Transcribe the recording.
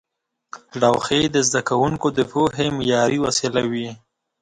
لوحې د زده کوونکو د پوهې معیاري وسیله وې.